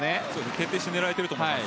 徹底して狙えていると思います。